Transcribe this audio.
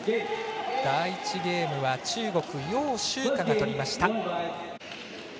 第１ゲームは中国楊秋霞が取りました。